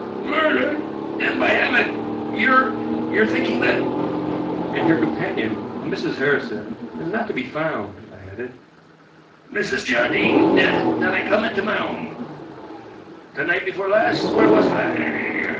"Murdered! Then by heaven! you're you're thinking that " "And her companion, a Mrs. Harrison, is not to be found," I added. "Mrs. Jardine dead! Then I come into my own. The night before last where was I?